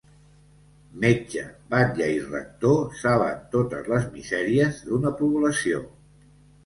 Metge, batlle i rector saben totes les misèries d'una població.